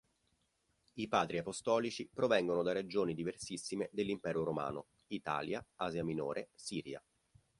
I Padri apostolici provengono da regioni diversissime dell'Impero romano: Italia, Asia Minore, Siria.